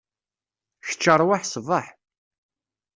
Kečč arwaḥ ṣbeḥ.